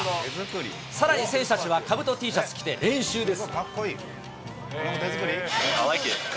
さらに選手たちはかぶとＴシャツを着て練習です。